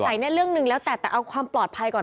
โปร่งใสนี่เรื่องนึงแล้วแต่แต่เอาความปลอดภัยก่อน